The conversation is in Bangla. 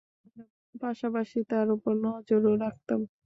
পাশাপাশি, তার ওপর নজরও রাখতাম।